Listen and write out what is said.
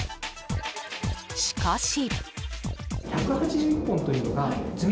しかし。